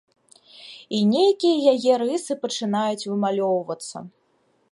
І нейкія яе рысы пачынаюць вымалёўвацца.